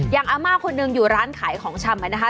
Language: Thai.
อาม่าคนหนึ่งอยู่ร้านขายของชำนะคะ